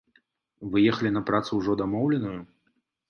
Вы ехалі на працу ўжо дамоўленую?